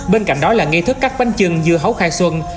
bên cạnh đó là nghi thức cắt bánh chưng dưa hấu khai xuân